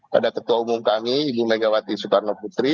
pada ketua umum kami ibu megawati soekarno putri